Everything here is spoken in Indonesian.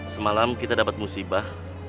semalam kita dapet musibah